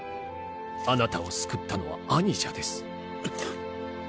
あなたを救ったのは兄者です。